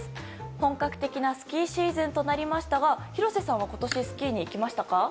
本格的なスキーシーズンとなりましたが廣瀬さんは今年、スキーに行きましたか？